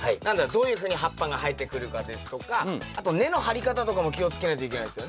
どういうふうに葉っぱが生えてくるかですとかあと根の張り方とかも気をつけないといけないですよね。